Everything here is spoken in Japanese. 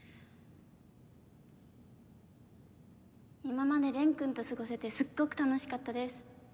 今まで蓮君と過ごせてすっごく楽しかったです。